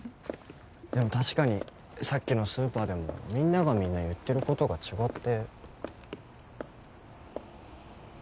でも確かにさっきのスーパーでもみんながみんな言ってることが違って。